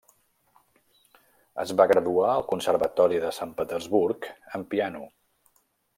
Es va graduar al Conservatori de Sant Petersburg en piano.